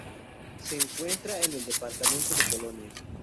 Se encuentra en el departamento de Colonia.